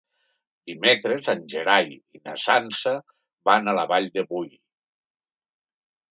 Dimecres en Gerai i na Sança van a la Vall de Boí.